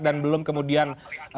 dan belum kemudian